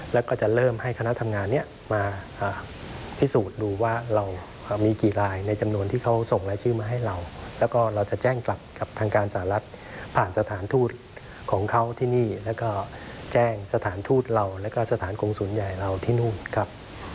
แล้วก็จะเริ่มให้คณะทำงานนี้มาพิสูจน์ดูว่าเรามีกี่รายในจำนวนที่เขาส่งรายชื่อมาให้เราแล้วก็เราจะแจ้งกลับกับทางการสหรัฐผ่านสถานทูตของเขาที่นี่แล้วก็แจ้งสถานทูตเราแล้วก็สถานกงศูนย์ใหญ่เราที่นู่นครับ